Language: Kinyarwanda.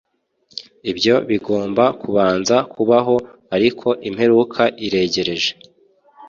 ibyo bigomba kubanza kubaho ariko imperuka iregereje